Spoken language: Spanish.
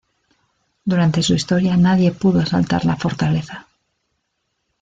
Durante su historia nadie pudo asaltar la fortaleza.